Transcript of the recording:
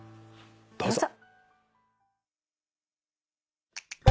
どうぞ。